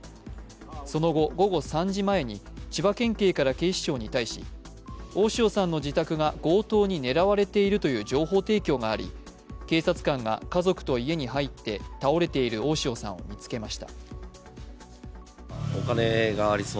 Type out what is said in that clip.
その後、午後３時前に千葉県警から警視庁に対し大塩さんの自宅が強盗に狙われているという情報提供があり、警察官が家族と家に入って倒れている大塩さんを見つけました。